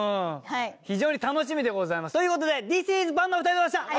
非常に楽しみでございます。という事でＴＨＩＳＩＳパンのお二人でございました。